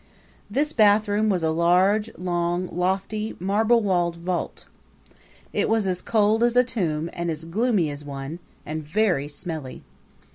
This bathroom was a large, long, loftly, marble walled vault. It was as cold as a tomb and as gloomy as one, and very smelly.